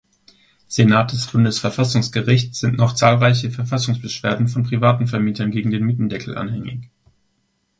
Senat des Bundesverfassungsgerichts sind noch zahlreiche Verfassungsbeschwerden von privaten Vermietern gegen den Mietendeckel anhängig.